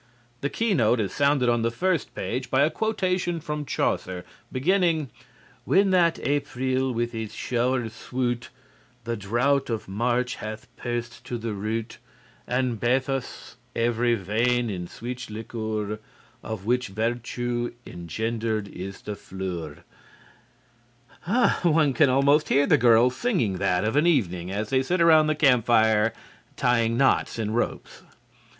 The keynote is sounded on the first page by a quotation from Chaucer, beginning: "_When that Aprille with his schowres swoote The drought of March hath perced to the roote, And bathus every veyne in swich licour, Of which vertue engendred is the flour._" One can almost hear the girls singing that of an evening as they sit around the campfire tying knots in ropes.